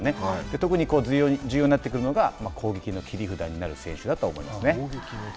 特に重要になってくるのが攻撃の切り札になる選手だと思います。